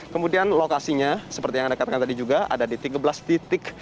kemudian lokasinya seperti yang anda katakan tadi juga ada di tiga belas titik